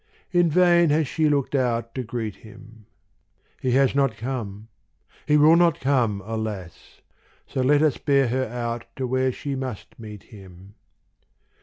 In vain has she looked out to greet him ; He has not come, he will not come, alas ! So let us bear her out where she must meet him.